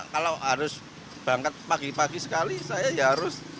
kalau harus berangkat pagi pagi sekali saya ya harus